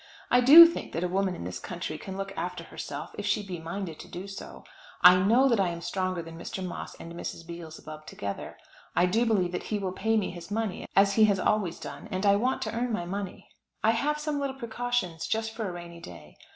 I do think that a woman in this country can look after herself if she be minded so to do. I know that I am stronger than Mr. Moss and Mrs. Beelzebub together. I do believe that he will pay me his money, as he has always done, and I want to earn my money. I have some little precautions just for a rainy day.